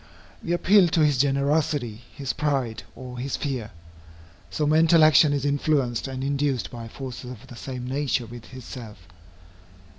We appeal to his generosity, his pride, or his fear. So mental action is influenced and induced by forces of the same nature with itself.